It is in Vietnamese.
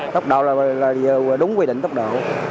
tốc độ là đúng quy định tốc độ